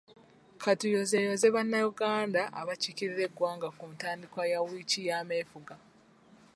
Ka tuyozeeyoze bannayuganda abakiikirira eggwanga ku ntandikwa ya wiiki y'ameefuga.